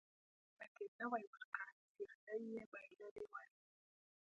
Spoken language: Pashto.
لوړ قېمت یې نه وای ورکړی سیالي یې بایللې وای.